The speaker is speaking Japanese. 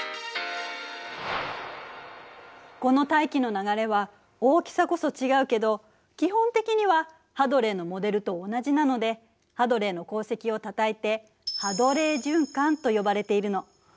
この大気の流れは大きさこそ違うけど基本的にはハドレーのモデルと同じなのでハドレーの功績をたたえて「ハドレー循環」と呼ばれているの。